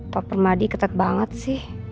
pak permadi ketat banget sih